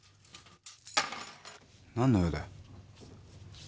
何の用だよ？